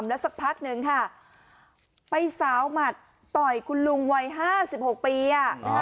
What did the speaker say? ทำแล้วสักพักหนึ่งค่ะไปสาวหมัดต่อยคุณลุงวัยห้าสิบหกปีอ่ะ